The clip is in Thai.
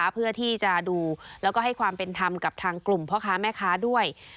เพื่อที่จะดูแล้วก็ให้ความเป็นธรรมกับทางกลุ่มพ่อค้าแม่ค้าด้วย